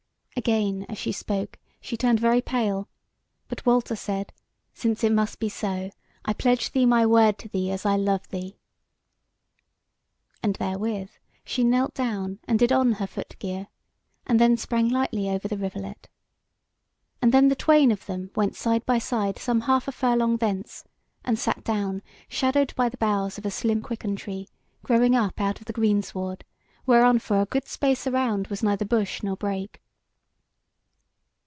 Again, as she spoke, she turned very pale; but Walter said: "Since it must be so, I pledge thee my word to thee as I love thee." And therewith she knelt down, and did on her foot gear, and then sprang lightly over the rivulet; and then the twain of them went side by side some half a furlong thence, and sat down, shadowed by the boughs of a slim quicken tree growing up out of the greensward, whereon for a good space around was neither bush nor brake.